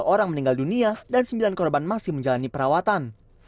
dua orang meninggal dunia dan sembilan korban masih menjalani perawatan